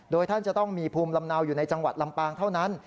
โดยท่านจะต้องมีภูมิลำเนาอยู่ในจังหวัดลำปางเท่านั้น